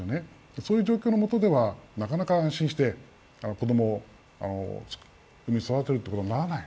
そういう状況の下ではなかなか安心して子供を産み育てることにはならない。